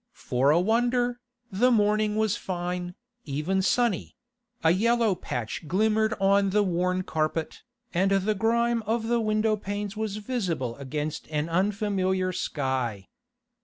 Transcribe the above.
For a wonder, the morning was fine, even sunny; a yellow patch glimmered on the worn carpet, and the grime of the window panes was visible against an unfamiliar sky.